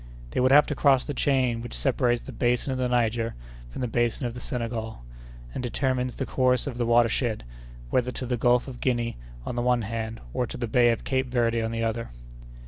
They would have to cross the chain which separates the basin of the Niger from the basin of the Senegal, and determines the course of the water shed, whether to the Gulf of Guinea on the one hand, or to the bay of Cape Verde on the other.